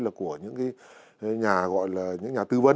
là của những cái nhà gọi là những nhà tư vấn